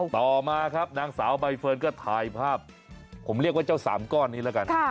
ต่อมาครับนางสาวใบเฟิร์นก็ถ่ายภาพผมเรียกว่าเจ้าสามก้อนนี้แล้วกัน